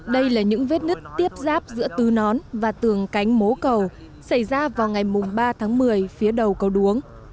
đây là những vết nứt tiếp giáp giữa tứ nón và tường cánh mố cầu xảy ra vào ngày ba tháng một mươi phía đầu cầu đuống